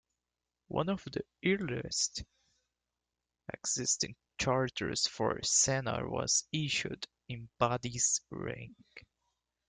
One of the earliest existing charters for Sennar was issued in Badi's reign.